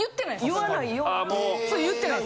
言わないような。